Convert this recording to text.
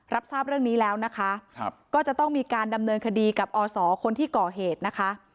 รับทราบเรื่องนี้แล้วนะคะก็จะต้องมีการดำเนินคดีกับอศคนที่ก่อเหตุนะคะ